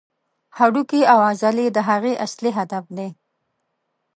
هډوکي او عضلې د هغې اصلي هدف دي.